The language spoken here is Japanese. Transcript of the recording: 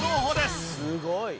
「すごい！」